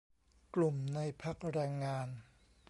กลุ่มในพรรคแรงงาน